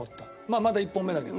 まだ１本目だけど。